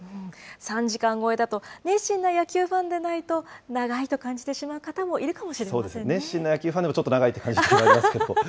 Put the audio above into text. ３時間超えだと熱心な野球ファンでないと、長いと感じてしまそうですよね、熱心な野球ファンでもちょっと長いって感じてしまいますけれども。